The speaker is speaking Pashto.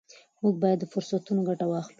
موږ باید له فرصتونو ګټه واخلو.